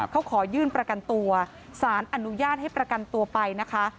เขาขอยื่นประกันตัวสารอนุญาตให้ประกันตัวไปนะคะ